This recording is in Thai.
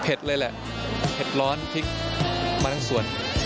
เลยแหละเผ็ดร้อนพริกมาทั้งส่วน